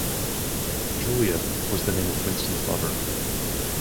"Julia" was the name of Winston's lover.